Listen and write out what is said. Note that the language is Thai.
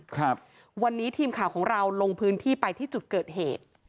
ครับวันนี้ทีมข่าวของเราลงพื้นที่ไปที่จุดเกิดเหตุ